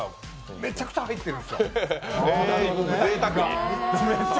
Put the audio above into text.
めちゃくちゃ豪華なんですよ。